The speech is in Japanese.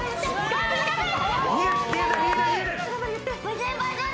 頑張れ。